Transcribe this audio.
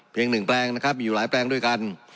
หนึ่งแปลงนะครับมีอยู่หลายแปลงด้วยกัน